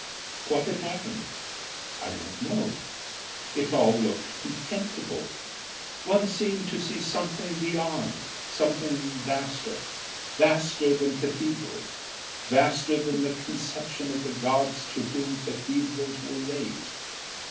What had happened? I don't know. It all looked contemptible. One seemed to see something beyond, something vaster vaster than cathedrals, vaster than the conception of the gods to whom cathedrals were raised.